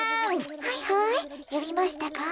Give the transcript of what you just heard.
はいはいよびましたか？